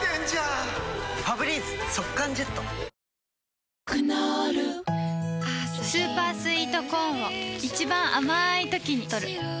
果たしてクノールスーパースイートコーンを一番あまいときにとる